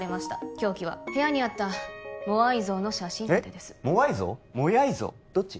凶器は部屋にあったモアイ像の写真立てえっモアイ像モヤイ像どっち？